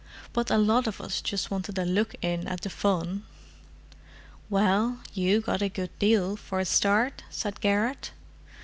"But a lot of us just wanted a look in at the fun!" "Well—you got a good deal for a start," said Garrett.